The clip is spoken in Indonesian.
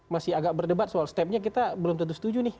masih agak berdebat soal stepnya kita belum tentu setuju nih